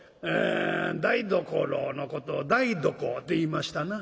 台所のことを台所って言いましたな。